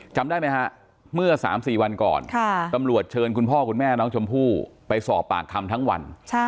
จำได้ไหมฮะเมื่อ๓๔วันก่อนตำรวจเชิญคุณพ่อคุณแม่น้องชมพู่ไปสอบปากคำทั้งวัน